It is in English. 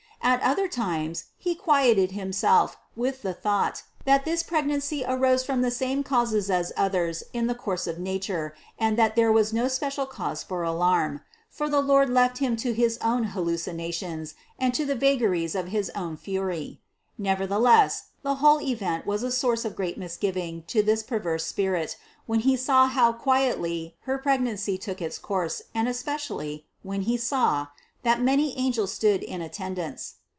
At other times he quieted himself with the thought, that this pregnancy arose from the same causes as others in the course of nature and that there was no special cause for alarm; for the Lord left him to his own hallucinations and to the vagaries of his own fury. Nevertheless the whole event was a source of great misgiving to this perverse spirit, when he saw how quietly her pregnancy took its course and especially, when he saw, that many angels stood in attendance.